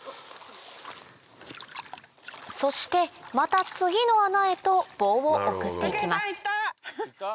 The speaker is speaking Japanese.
そしてまた次の穴へと棒を送っていきますいった？